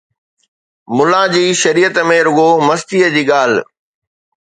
ملا جي شريعت ۾ رڳو مستيءَ جي ڳالهه